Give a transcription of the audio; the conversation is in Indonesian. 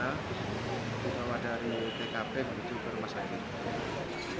dibawa dari tkp menuju ke rumah sakit